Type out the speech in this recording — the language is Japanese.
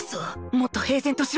もっと平然としろ。